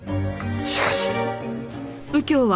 しかし。